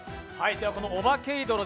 「オバケイドロ！」